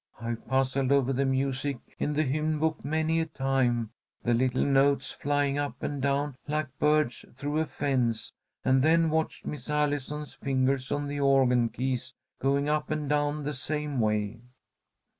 I've puzzled over the music in the hymn book many a time, the little notes flying up and down like birds through a fence, and then watched Miss Allison's fingers on the organ keys, going up and down the same way."